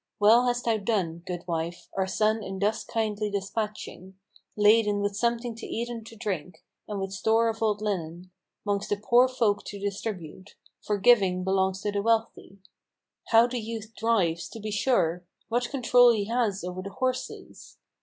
Well hast thou done, good wife, our son in thus kindly dispatching, Laden with something to eat and to drink, and with store of old linen, 'Mongst the poor folk to distribute; for giving belongs to the wealthy. How the youth drives, to be sure! What control he has over the horses!